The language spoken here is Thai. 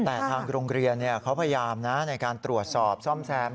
แต่ทางโรงเรียนเขาพยายามในการตรวจสอบซ่อมแซม